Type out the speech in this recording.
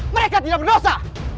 mereka tidak berdosa